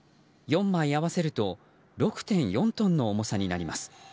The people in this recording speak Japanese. ４枚合わせると６．４トンの重さになります。